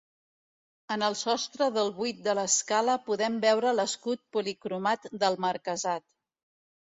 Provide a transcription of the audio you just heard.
En el sostre del buit de l'escala podem veure l'escut policromat del marquesat.